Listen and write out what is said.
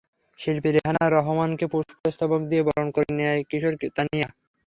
শিল্পী রেহানা রহমানকে পুষ্প স্তবক দিয়ে বরণ করে নেয় কিশোরী তানিয়া।